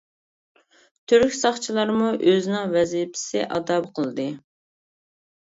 تۈرك ساقچىلارمۇ ئۆزىنىڭ ۋەزىپىسى ئادا قىلدى.